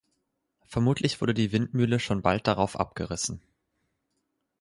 Vermutlich wurde die Windmühle schon bald darauf abgerissen.